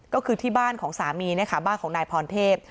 ก็คือที่บ้านของสามีนะคะบ้านของนายพรเทพ